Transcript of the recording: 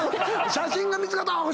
写真が見つかったらあっ